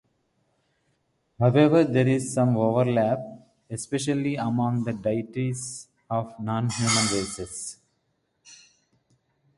However, there is some overlap, especially among the deities of nonhuman races.